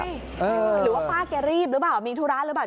หรือว่าป้าแกรีบหรือเปล่ามีธุระหรือเปล่า